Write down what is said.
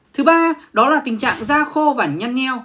thứ ba đó là tình trạng da khô và nhăn neo